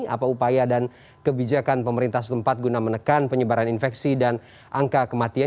apa upaya dan kebijakan pemerintah setempat guna menekan penyebaran infeksi dan angka kematian